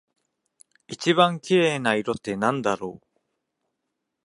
一番綺麗な色ってなんだろう？